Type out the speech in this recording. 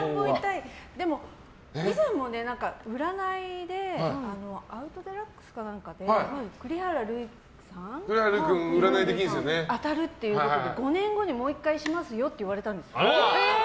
でも、以前も占いで「アウト×デラックス」か何かで栗原類さん当たるっていうことで５年後にもう１回しますよって言われたんですよ。